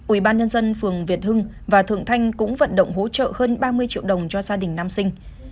ủy ban nhân dân phường việt hưng và thượng thanh cũng vận động hỗ trợ hơn ba mươi triệu đồng cho gia đình nam sinh